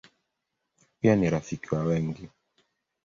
Pia ni rafiki wa wengi.